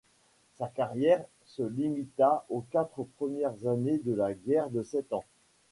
Sa carrière se limita aux quatre premières années de la guerre de Sept Ans.